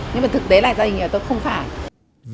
nhưng mà thực tế là gia đình tôi không phải